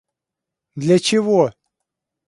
Для чего?